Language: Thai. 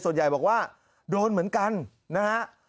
ส่วนใหญ่บอกว่าโดนเหมือนกันนะฮะ